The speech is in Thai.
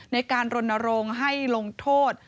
ในการรดนโรงให้ลงโทษ